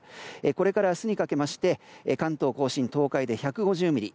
これから明日にかけまして関東・甲信、東海で１５０ミリ。